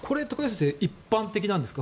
これ一般的なんですか？